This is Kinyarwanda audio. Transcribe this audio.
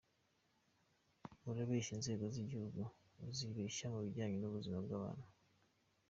Urabeshya inzego z’igihugu, uzibeshya mu bijyanye n’ubuzima bw’abantu?”.